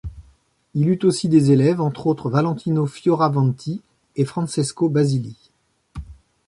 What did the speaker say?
Il eut aussi des élèves, entre autres, Valentino Fioravanti et Francesco Basili.